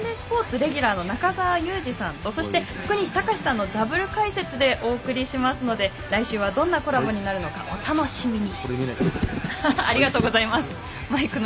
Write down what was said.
レギュラーの中澤佑二さんと福西崇史さんのダブル解説でお送りしますので来週はどんなコラボになるのかお楽しみに。